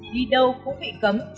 đi đâu cũng bị cấm